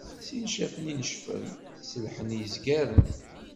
Si ncaf-nni i necfen, ṣelḥen izgaren.